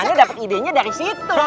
anda dapat idenya dari situ